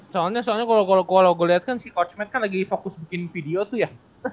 soalnya soalnya kalo gua liat kan si coach matt kan lagi fokus bikin video tuh ya